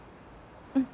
うん。